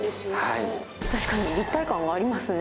確かに立体感がありますね。